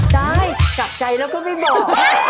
ได้กลับใจแล้วก็ไม่บอก